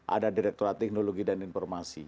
ada direkturat teknologi dan informasi